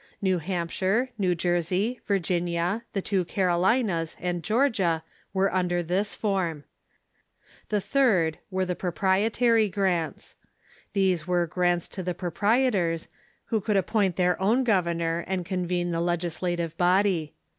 New Hampshire, New Jersey, Virginia, the tAvo Carolinas, and Georgia were under this form. The third Avere the Proprietary Grants. These were grants to the proprie tors, who could appoint their own governor and convene the legislative body.